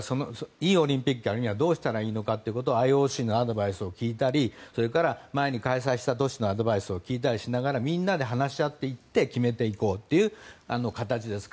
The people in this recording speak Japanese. いいオリンピックをやるにはどうしたらいいかということでＩＯＣのアドバイスを聞いたり前に開催した都市のアドバイスを聞いたりしながらみんなで話し合って決めていこうという形です。